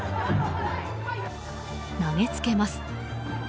投げつけます。